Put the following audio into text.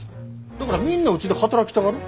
だからみんなうちで働きたがる。